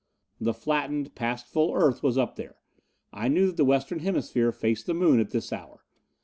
The flattened, past full Earth was up there. I knew that the western hemisphere faced the Moon at this hour.